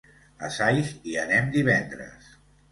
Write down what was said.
A Saix hi anem divendres.